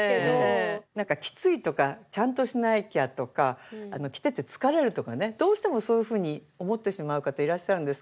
なんかきついとかちゃんとしなきゃとか着てて疲れるとかねどうしてもそういうふうに思ってしまう方いらっしゃるんですけど。